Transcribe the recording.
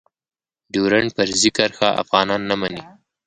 ډيورنډ فرضي کرښه افغانان نه منی.